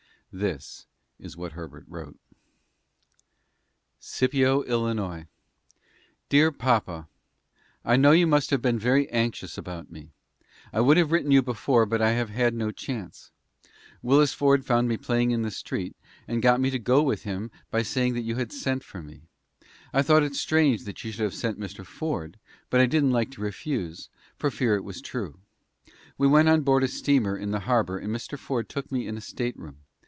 This is what Herbert wrote: "Scipio, ILL. "DEAR PAPA: I know you must have been very anxious about me. I would have written you before, but I have had no chance. Willis Ford found me playing in the street, and got me to go with him by saying you had sent for me. I thought it strange you should have sent Mr. Ford, but I didn't like to refuse, for fear it was true. We went on board a steamer in the harbor, and Mr. Ford took me in a stateroom.